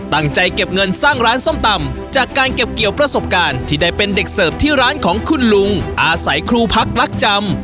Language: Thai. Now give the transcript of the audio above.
เก็บเงินสร้างร้านส้มตำจากการเก็บเกี่ยวประสบการณ์ที่ได้เป็นเด็กเสิร์ฟที่ร้านของคุณลุงอาศัยครูพักลักจำ